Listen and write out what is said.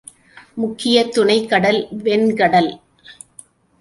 முக்கிய துணைக் கடல் வெண் கடல்.